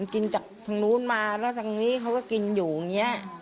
กินจากทางนู้นมาแล้วทางนี้เขาก็กินอยู่อย่างนี้